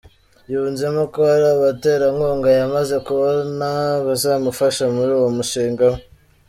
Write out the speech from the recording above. Yunzemo ko hari abaterankunga yamaze kubona bazamufasha muri uwo mushinga we.